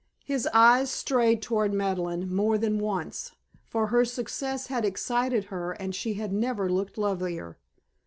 His eyes strayed toward Madeleine more than once, for her success had excited her and she had never looked lovelier.